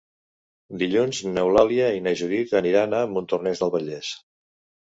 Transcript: Dilluns n'Eulàlia i na Judit aniran a Montornès del Vallès.